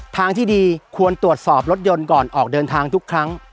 ทางที่ดีควรตรวจสอบรถยนต์ก่อนออกเดินทางทุกครั้ง